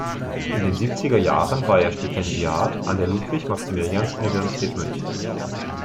In den siebziger Jahren war er Stipendiat an der Ludwig-Maximilians-Universität München.